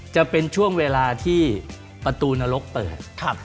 จะเป็นช่วงเวลาที่ประตูนรกเปิด